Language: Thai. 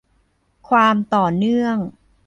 ความต่อเนื่อง